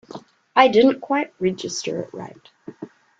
I didn't quite register it right.